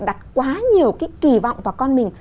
đặt quá nhiều cái kì vọng vào con mình